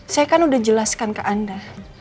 saya kan udah jelaskan ke anda